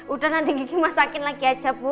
udah nanti gigi masakin lagi aja bu